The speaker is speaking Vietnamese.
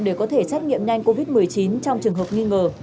để có thể xét nghiệm nhanh covid một mươi chín trong trường hợp nghi ngờ